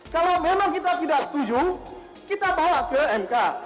kalau memang kita tidak setuju kita bawa ke mk